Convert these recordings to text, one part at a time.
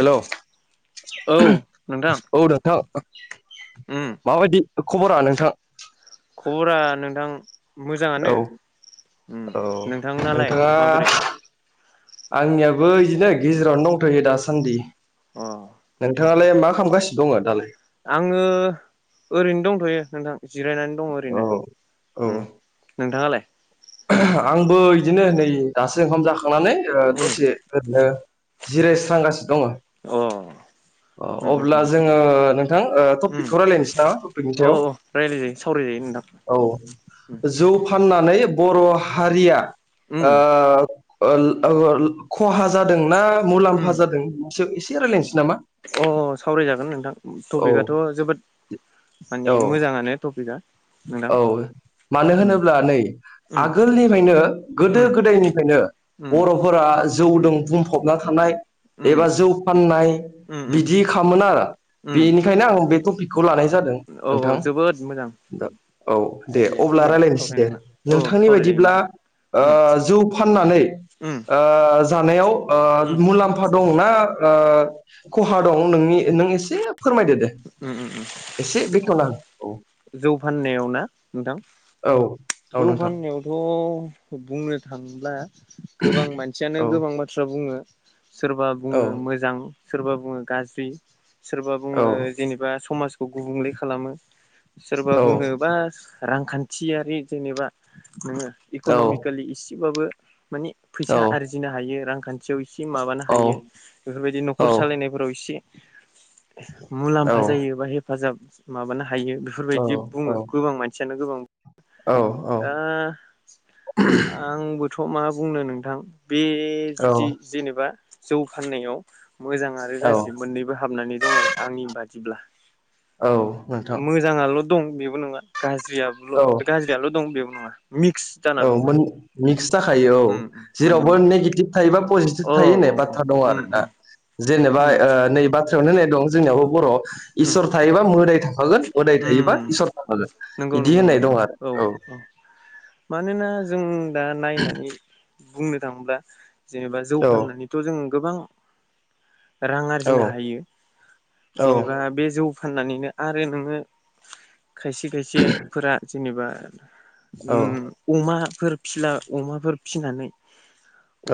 हेल' औ औ नोंथां नोंथां उम माबायदि खबरा नोंथां खबरा नोंथां। मोजाङानो औ उम औ नोंथांनालाय नोंथाङा माबोरै? आंनियाबो इदिनो गेजेरावनो दंथायो दासान्दि अ नोंथाङालाय मा खालामगासिनो दङ' दालाय? आङो ओरैनो दंथ'यो नोंथां जिरायनानै दङ औ ओरैनो उम औ नोंथाङालाय आंबो इदिनो नै दासो ओंखाम जाखांनानै उम दसे ओरैनो जिरायस्रांगासिनो दङ' अ अ उम अब्ला जोङो अ नोंथां ओ अ टपिकखौ रायलायनोसै रायलाय नामा टपिकनि सायाव जायो सावराय जायो औ [unintelligible] जौ फाननानै बर' हारिया उम खहा जादों ना उम मुलाम्फा जादों एसे रायलायनोसै नामा अ सावरायजागोन नोंथां औ टपिकआथ' जोबोद मानि औ मोजाङानो टपिकआ नोंथां औ मानो उम होनोब्ला नै उम आगोलनिफायनो गोदो उम गोदायनिफायनो उम बर'फोरा उम जौदों बुंफबना थानाय उम एबा जौ फाननाय उम उम बिदि खामोना उम बेनिखायनो आं बे टपिकखौ लानाय जादों औ औ नोंथां जोबोद मोजां दान्थे औ दे आयदाया अब्ला जोंना रायलायनोसै दे सावरायनो गोनां औ नोंथांनि सावरायजायो बायदिब्ला नोंथां ओ जौ फाननानै उम उम जानायाव उम मुलाम्फा दंना ओ खहा दं नोंनि नों एसे फोरमायदो दे उम उम एसे बेखेवना हो औ जौ फाननायाव ना नोंथां औ औ जौ नोंथां फाननायावथ' बुंनो थांब्ला गोबां मानसियानो औ गोबां बाथ्रा बुङो सोरबा औ बुङो मोजां सोरबा बुङो गाज्रि सोरबा औ बुङो जेनेबा समाजाव खौ गुबुंले खालामो सोरबा बुङोबा रांखान्थियारि जेनोबा नोङो औ इक'न'मिकेलि इसेबाबो मानि औ फैसा आरजिनो हायो रांखान्थियाव एसे माबानो हायो औ बेफोरबायदि औ न'खर सालायनायफोराव इसे मुलाम्फा औ जायो बा हेफाजाब माबानो हायो बेफोर बायदि बुङो गोबां मानसि यानो गोबां ओ आंबो थ' मा बुंनो नोंथां बे औ जुदि जेनेबा जौ फाननायाव मोजां आरो औ गाज्रि मोननैबो हाबनानै दं आरो आंनि बायदिब्ला औ नोंथां आल' दं बेबो नङा औ गाज्रिआबोल गाज्रियाल' दं बेबो नङा मिक्स जाना औ दं मोननै माने मिक्स जाखायो औ उम उम जेरावबो मोननै नेगेटिभ थायोबा पजिटिभ औ थायो औ होननाय औ बाथ्रा दं उम आरो ना उम जेनेबा उम ओ नै बाथ्रायावनो होननाय दं जोंनियावबो बर'आव उम इसोर थायोबा मोदाय था- गोन मोदाय थायोबा उम इसोर थाफागोन नंगौ इदि नंगौ होननाय नोंथां दं आरो औ मानोना जों दा नायनानै बुंनो थाङोब्ला जेनेबा जौ औ फाननानैथ' जों गोबां रां औ आरजिनो हायो औ जेनेबा बे जौ फाननानैनो आरो नोङो खायसे खायसेफोरा जेनेबा औ ओ अमा फोर फिना अमाफोर फिनानै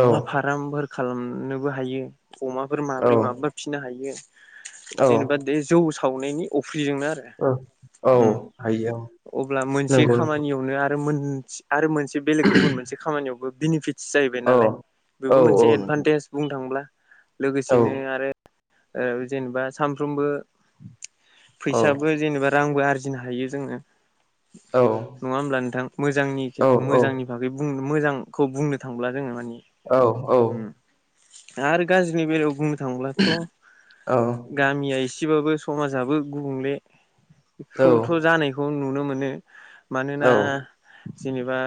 अमा फार्म फोर खालामनोबो हायो अमाफोर माब्रै माबा फिनो हायो औ जेनेबा दि जौ सावनायनि अफ्रिजोंनो आरो औ औ उम हायो औ अब्ला मोनसे नंगौ नंगौ खामानियावनो आ- रो मोनसे आरो मोनसे बेलेग गुबुन मोनसे खामानियावबो बिनिफिट जायैबाय औ नालाय बेबो औ औ मोनसे नंगौ एदभान्टेज बुंनो थांब्ला औ लोगोसेनो आरो ओ जेनेबा सानफ्रोमबो औ फैसाबो जेनेबा रांबो आरजिनो हायो जोङो औ नङा होमब्ला नोंथां मोजांनि मोजांनि बागै बुं मोजांखौ बुंनो थांब्ला जोङो माने औ औ आरो गाज्रिनि बेलायाव बुंनो थांब्लाथ' गामिया एसे सेबाबो समाजाबो गुबुंले खौथ' जानायखौ नुनो मोनो मानोना जेनेबा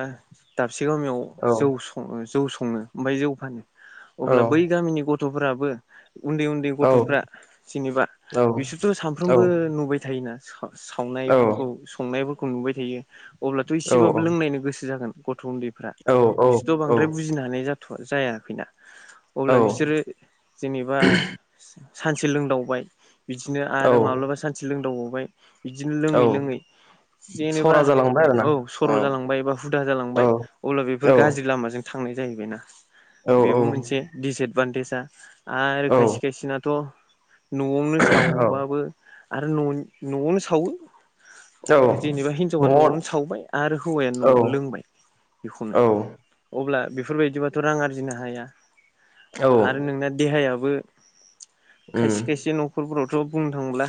दाबसे गामियाव जौ सङो जौ स सङो ओमफ्राय जौ फानो औ अब्ला बै गामिनि गथ'फोराबो उन्दै उन्दै औ औ गथ'फ्रा जेनेबा औ बिसोरथ' सानफ्रोमबो नुबाय थायोना औ सावनायफोरखौ संनायफोरखौ नुबाय थायो अब्लाथ' एसेबाबो लोंनायनो गोसो जागोन गथ' उन्दैफ्रा औ बिसोरथ' बांद्राय बुजिनो हानाय जाथ' जायाखैना औ अब्ला बिसोरो जेनेबा सानसे लोंदावबाय बिदिनो आरो औ माब्लाबा सानसे लोंदावबावबाय बिदिनो औ लोङै लोङै जेनेबा सरा जालांबाय आरोना औ सर' जालांबाय बा हुदा औ जालांबाय अब्ला बेफोर औ गाज्रि लामाजों थांनाय जाहैबायना औ औ बेबो मोनसे दिसएदभान्टेजआ। आरो खायसे खायसेनाथ' न'आवनो सावबावो आरो न' न'आवनो सावो। न'आव औ जेनेबा हिनजावा न'आवनो सावबाय आरो हौवाया न'आवनो लोंबाय। बेखौनो औ अब्ला बेफोरबायदिबाथ' रां आरजिनो हाया औ आरो नोंना देहायाबो उम खायसे खायसे न'खरफोरावथ' बुंनो थांब्ला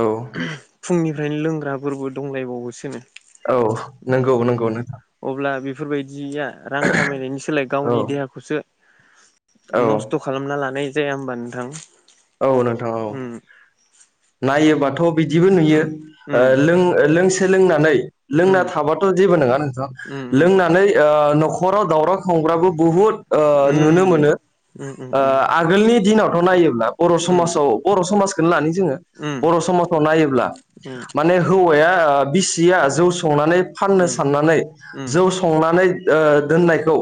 औ फुंनिफ्रायनो लोंग्राफोरबो दंलायबावोसोनो। औ नंगौ नंगौ नोंथां। अब्ला बेफोरबायदिया रां खामायनायनि सोलाय औ गावनि देहाखौसो औ नस्थ' खालामना लानाय जाया होमबा नोंथां। औ नोंथां औ। उम नायोबाथ' बिदिबो नुयो उम ओ उम लों लोंसे लोंनानै लोंना उम थाबाथ' जेबो नङा नोंथां। उम लोंनानै ओ न खराव दावराव खामग्राबो बुहुद उम नुनो मोनो उम उम ओ उम आगोलनि दिनाव नायोब्ला बर' समाजाव बर' समाजखौनो लानि जोङो। उम बर' समाजाव नायोब्ला माने हौवाया बिसिया जौ संनानै फाननो साननानै उम जौ संनानै ओ‌ दोननायखौ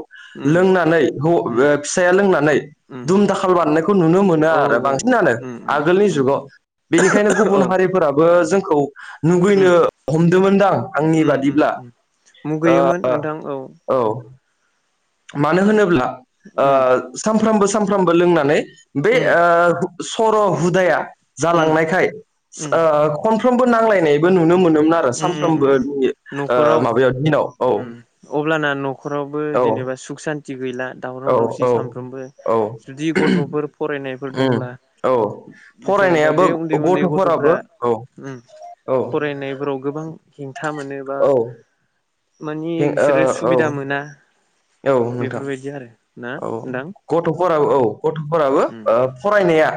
लोंनानै हौ‌ उम फिसाया लोंनानै उम दुम दाखाल बानायनायखौ नुनो मोना औ आरो बांसिन। औ नानो उम उम आगोलनि उम जुगाव बेनिखायनो गुबुन औ हारिफोराबो जोंखौ उम मुगैनो हमदोंमोनदां आंनि उम उम बादिब्ला उम मुगैयोमोन ओ नोंथां औ। मानो होनोब्ला ओ उम उम सानफ्रामबो सानफ्रामबो लोंनानै बे उम ओ सर' हुदाया उम जालांनायखाय उम स ओ खनफ्रोमबो नांलायनायबो नु नुनो मोनोमोन आरो उम उम उम सामफ्रामबोनि ओ न'खराव माबायाव दिनाव औ। उम अब्लाना न'खरावबो औ जेनेबा सुख सान्थि गैला दावराव औ दावसि औ सानफ्रोमबो औ जुदि गथ'फोर फरायनायफोर उम दंब्ला औ जेनेबा फरायनायाबो बे उन्दै उन्दै गथ'फोराबो गथ'फोरा औ ओम औ फरायनायफोराव गोबां हेंथा मोनो बा औ माने हें ओ बिसोरो सुबिदा औ मोना। औ नोंथां बेफोरबायदि आरो। ना औ नोंथां गथ'फोरा औ गथ'फोराबो उम ओ फरायनाया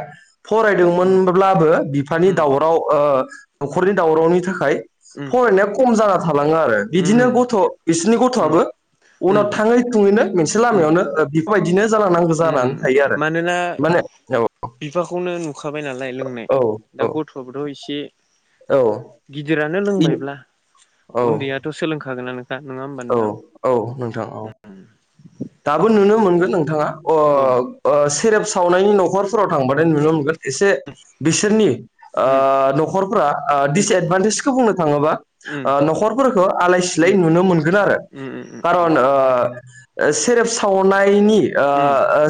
उम फरायदोंमोनब्लाबो बिफानि उम दावराव ओ न'खरनि दावरावनि थाखाय उम फरायनाया खम जाना थालाङो आरो उम बिदिनो गथ' बिसोरनि उम गथ'आबो उम उनाव थाङै थुङैनो मोनसे उम लामायावनो बेफोरबायदिनो। जालां नांगौ उम जानानै उम थायो आरो मानोना माने औ। बिफाखौनो नुखाबाय नालाय लोंनाय औ दा औ गथ'आबोथ' एसे गिदिरानो लोंबायब्ला औ उन्दैयाथ' सोलोंखागोनानो। औ औ नोंथां औ दाबो नुनो बेफोरबायदि मोनगोन आरो नोंथाङा। अ औ ओ सेरेब सावनायनि न'खरफोराव थांबाथाय नुनो मोनगोन एसे बिसोरनि ओ उम न'खरफ्रा ओ डिसएदभान्टेजखो बुंनो थाङोबा उम ओ न'खरफोरखो आलाय सिलाय उम नुनो मोगोन आरो उम उम कारन ओ सेरेब सावनायनि ओ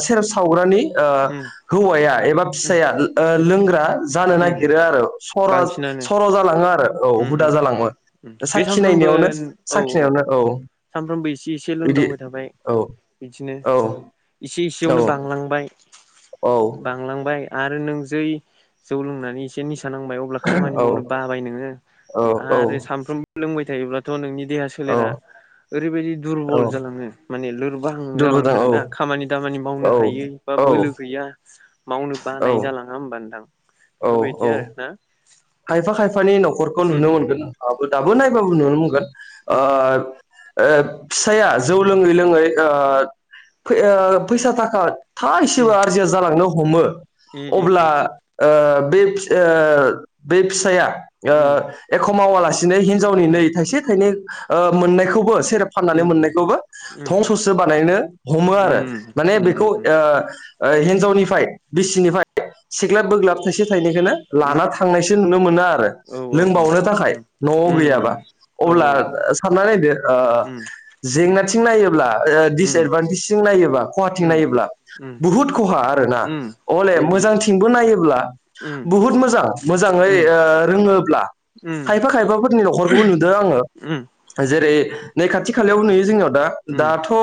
सेरेब सावग्रानि ओ उम हौवाया एबा उम फिसाया ओ उम लोंग्रा जानो उम नागिरो आरो सरा बांसिनानो सर' जालाङो आरो औ उम हुदा उम उम जालांमो उम बे सानफ्रोमबो साखिनायनियावनो औ साखिनायावनो औ सानफ्रोमबो इसे इसे बिदि लोंदावबाय थाबाय औ बिदिनो औ इसे इसेयावनो औ बांलांबाय। औ बांलांबाय आरो नों जै जौ लोंनानै इसे नि सा नांबाय अब्ला खामानि मावनो बाबाय नोङो औ औ आरो सामफ्रोमबो लोंबाय थायोब्लाथ' नोंनि देहा औ सोलेरा ओरैबायदि औ दुरबल जालाङो माने लो बाहां दुरबोदां औ जालांथारोना खामानि दामानि औ औ मावनो मावनो बानाय जालाङा होमबा नोंथां औ औ बेफोरबायदि आरोना खायफा खायफानि न'खरखौ नुनो मोनगोन आबो दाबो नायबाबो नुनो मोनगोन ओ ओ फिसाइया जौ लोङै लोङै ओ फै ओ फैसा थाखा थाइसेबो उम आरजिया जालांनो हमो उम अब्ला उम ओ बे ओ बे फिसाया ओ उम एखो मावालासे नो हिनजावनि उम उम नै थाइसे थाइनै ओ मोननायखौबो सेरेब फाननानै उम उम उम उम मोननायखौबो उम ओ हिनजावनिफाय बिसिनिफाय सिग्लाब बोग्लाब थाइसे थाइनैखोनो उम लाना था नायसो नुनो मोनो आरो औ औ औ लोंबावनो थाखाय उम न'आव गैयाबा उम औ अब्ला सानना नायदो ओ उम जेंनाथिं नायोब्ला ओ उम डिसएदभान्टेजों नायोबा खहाथिं उम नायोब्ला बुहुद खहा आरोना उम उम हले मोजांथिंबो नायोब्ला उम बुहुद मोजां। जाङै ओ रोङोब्ला खायफा खायफाफोरनि न'खरखौबो नुदों आङो जे रै नै खाथि खालायाव नुयो जोंनियाव दा उम दाथ' ओ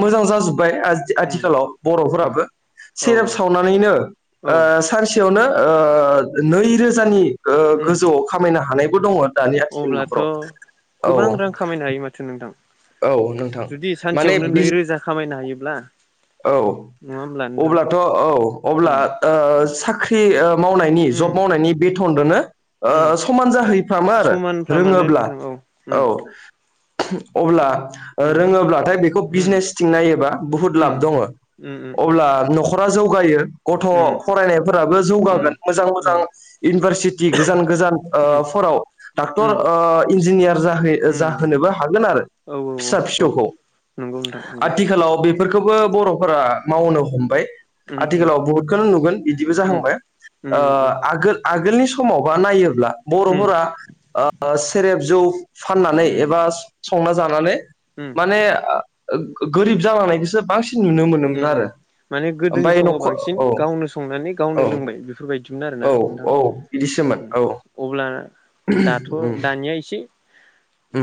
मोजां जाजोब बाय आ उम उम आथिखालाव बर'फोराबो औ सेरेप सावनानैनो औ ओ सानसेयावनो ओ नैरोजानि ओ उम गोजौआव खामायनो हानायबो दङो। दानि आथिखालनि न'खराव अब्लाथ' औ। गोबां रां खामायनो हायो माथो नोंथां औ नोंथां जुदि माने सानसेयावनो बि नैरोजा खामायनो हायोब्ला औ नङा होमब्ला नोंथां अब्लाथ' औ अब्ला उम ओ साख्रि ओ मावनायनि उम जब मावनायनि बेथनदोनो ओ उम समान जाहैफ्रामो आरो समानफ्रा मानो रोङोब्ला नोंथां औ औ उम अब्ला उम रोङोब्लाथाय बेखौ उम बिजनेसथिं नायोब्ला बुहुत उम लाब दङ' उम उम उम अब्ला न खरा जौगायो। गथ' उम फरायनायफोराबो उम जौगागोन मोजां मोजां उम इउनिभारसिटि गोजान गोजान उम ओ फोराव डाक्टर उम ओ इन्जिनियार जाहै ओ उम जाहोनोबो हागोन आरो औ फिसा औ औ फिसौखौ नंगौ नोंथां नंगौ बेफोरखोबो उम आथिखालाव बुहुदखौनो नुगोन बिदिबो उम जाहांबाय ओ उम उम आगोल आगोलनि समावबा नायोब्ला ब उम फाननानै उम एबा संना जानानै उम उम माने ओ गोरिब नुनो मोनोमोन उम उम आरो माने गोदोनि ओमफ्राय समाव न'खर बांसिन औ गावनो संनानै औ गावनो लोंनाय बेफोरबायदिमोन आरो औ औ बिदिसो अब्ला दाथ' दानिया इसे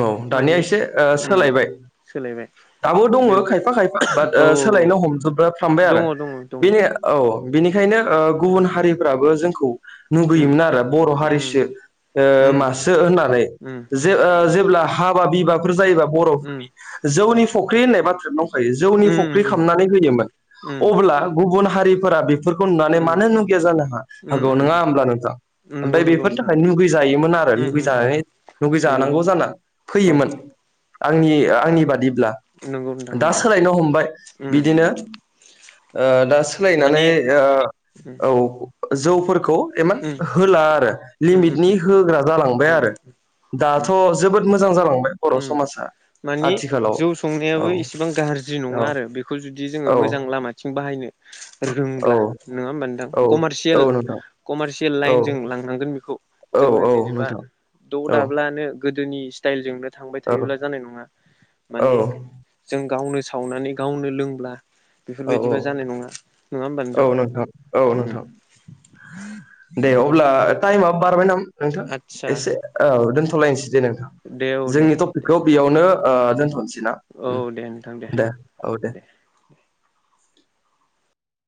औ दानिया ओ सोलायबाय सोलायबाय दाबो बे दङो खायफा खायफा बात ओ औ सोलाय औ हमजोब्रा फ्रामबाय दङ आरो दङ दङ बेनि औ बेनिखायनो ओ गुबुन हारिफ्राबो जोंखौ उम मुगैयोमोन आरो बर' उम हारिसो ओ उम मासो होननानै उम जे ओ जेब्ला हाबा बिबाफोर जायोबा उम बरफोरनि जौनि फख्रि होननाय बाथ्रानो दंखायो जौनि उम फख्रि उम खामनानै होयोमोन अब्ला गुबुन हारिफोरा बेफो फोरखौ नुनानै उम मानो मुगैया जानो हा हागौ नङा नंगौ होमब्ला नोंथां? ओमफाय नंगौ बेफोरनि नोंथां थाखाय मुगैजायोमोन आरो उम उम उम मुगैजानाय नंगौ मुगैजानांगौ जाना औ फैयोमोन आंनि आंनि बादिब्ला नंगौ नोंथां दा नंगौ सोलायनो हमबाय उम बिदिनो ओ दा माने सोलायनानै ओ उम औ जौफोरखौ इमान उम होला आरो उम लिमिटनि उम होग्रा जालांबाय आरो। उम दाथ उम जोबोद मोजां जालांबाय बर' समाजा माने आथिखालाव जौ औ संनायाबो एसेबां गाज्रि औ नङा आरो बेखौ जुदि जोङो औ मोजां लामाथिं बाहायनो औ रोंब्ला नङा होमबा नोंथां औ कमारसियेल औ नोंथां कमारसियेल औ लाइन जों लांनांगोन बिखौ औ जोङो औ जेनेबा नोंथां द औ दाब्लानो गोदोनि स्टायल जोंनो थांबाय औ थायोब्ला जानाय नङा औ माने जों गावनो सावनानै गावनो लोंब्ला बेफोर औ औ बायदिबा जानाय नङा। नङा होमबा नोंथां औ औ उम। नोंथां दे अब्ला टाइमा बारबाय नाम नोंथां आदसा एसे औ दोन्थ' लायनोसै। दे नोंथां दे औ दे जोंनि दे टपिकखौ बेयावनो ओ दोनथनसै। दे ना औ उम दे नोंथां दे औ दे।